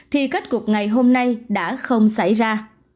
thì kết cục ngày hôm nay đã không xảy ra